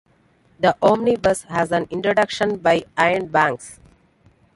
The omnibus has an introduction by Iain Banks.